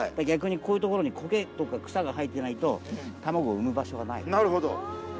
こういうところにこけとか草が生えてないと卵を生む場所がない。